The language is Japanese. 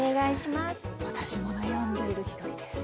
私も悩んでいる一人です。